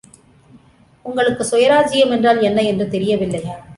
உங்களுக்கு சுயராச்சியம் என்றால் என்ன என்று தெரியவில்லையா?